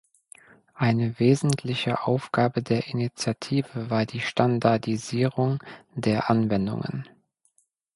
Eine wesentliche Aufgabe der Initiative war die Standardisierung der Anwendungen.